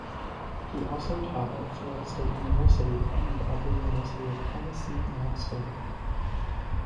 He also taught at Florida State University and at the University of Tennessee–Knoxville.